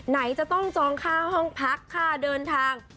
ไหนจะต้องจองค่าห้องพักค่าเดินทาง